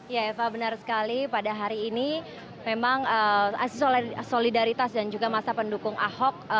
ya eva benar sekali pada hari ini memang asli solidaritas dan juga masa pendukung ahok